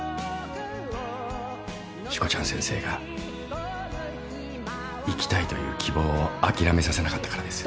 しこちゃん先生が生きたいという希望を諦めさせなかったからです。